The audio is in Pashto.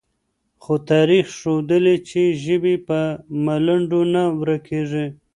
خو تاریخ ښودلې، چې ژبې په ملنډو نه ورکېږي،